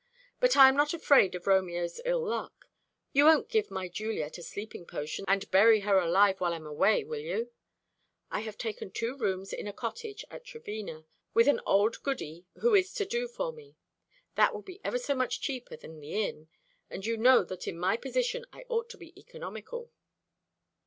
But I am not afraid of Romeo's ill luck. You won't give my Juliet a sleeping potion, and bury her alive while I am away, will you? I have taken two rooms in a cottage at Trevena, with an old goody who is to do for me. That will be ever so much cheaper than the inn; and you know that in my position I ought to be economical."